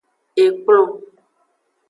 Ekplon.